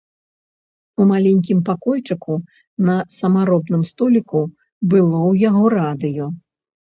У маленькім пакойчыку, на самаробным століку, было ў яго радыё.